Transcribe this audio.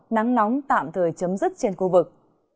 nắng nóng tạm thời chấm dứt trên khu vực